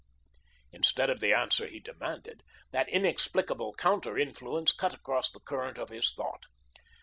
Instead of the Answer he demanded, that inexplicable counter influence cut across the current of his thought.